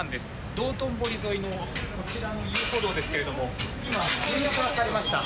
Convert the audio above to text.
道頓堀沿いのこちらの遊歩道ですけれども今、封鎖されました。